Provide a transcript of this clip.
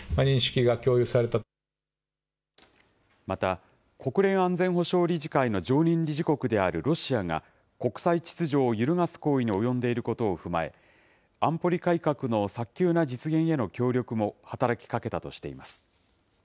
また、国連安全保障理事会の常任理事国であるロシアが、国際秩序を揺るがす行為に及んでいることを踏まえ、安保理改革の早急な実現への協力も働きかけたとしています。